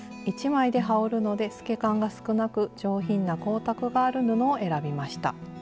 １枚で羽織るので透け感が少なく上品な光沢がある布を選びました。